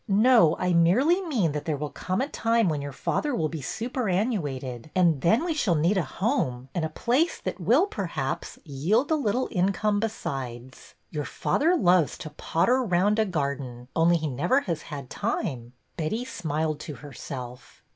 " No. I merely mean that there will come a time when your father will be superannuated, and then we shall need a home and a place that will. 1 68 BETTY BAIRD'S VENTURES perhaps, yield a little income besides. Your father loves to potter round a garden, only he never has had time." Betty smiled to herself.